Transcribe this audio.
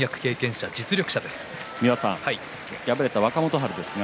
敗れた若元春です。